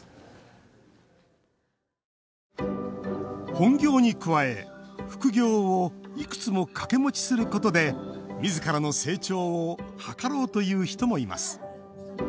本業に加え、副業をいくつも掛け持ちすることでみずからの成長を図ろうという人もいます。